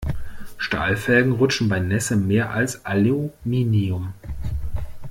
Stahlfelgen rutschen bei Nässe mehr als Aluminium.